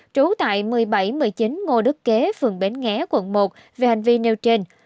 trú tại một mươi bảy một mươi chín ngô đức kế phường bến nghé quận một về hành vi nêu trên